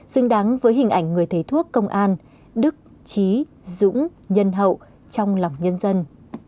xứng đáng với hình ảnh người thầy thuốc công an đức trí dũng nhân hậu trong lòng nhân dân